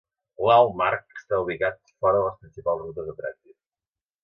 L'Altmark està ubicat fora de les principals rutes de trànsit.